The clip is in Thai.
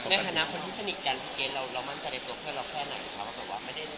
ในฐานะคนที่สนิทกันพี่เกนเรามั่นจะเรียบรวมเพื่อนเราแค่ไหน